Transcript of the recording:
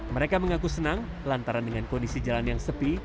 mereka mengaku senang lantaran dengan kondisi jalan yang sepi